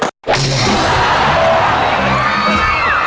อุ้ยถูก